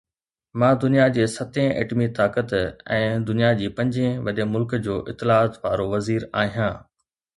مان دنيا جي ستين ايٽمي طاقت ۽ دنيا جي پنجين وڏي ملڪ جو اطلاعات وارو وزير آهيان